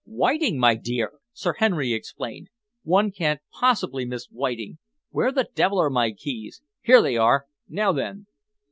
"Whiting, my dear," Sir Henry explained. "One can't possibly miss whiting. Where the devil are my keys? Here they are. Now then."